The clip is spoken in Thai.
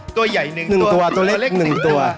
ตัวใหญ่๑ตัวตัวเล็ก๑ตัว